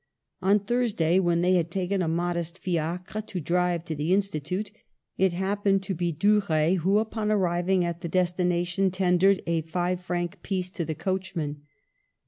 One Thursday, when they had taken a modest fiacre to drive to the Institute, it happened to be Duruy who, upon arriving at their destina tion, tendered a five franc piece to the coach man.